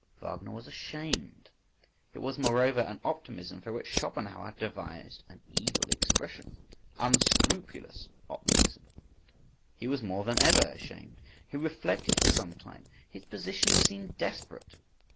Wagner was ashamed. It was moreover an optimism for which Schopenhauer had devised an evil expression,—unscrupulous optimism. He was more than ever ashamed. He reflected for some time; his position seemed desperate.